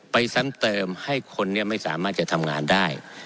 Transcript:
ซ้ำเติมให้คนไม่สามารถจะทำงานได้